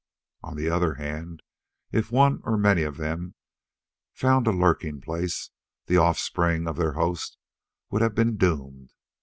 On the other hand, if one or many of them had found a lurking place, the offspring of their host would have been doomed.